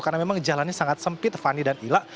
karena memang jalannya sangat sempit fani dan ila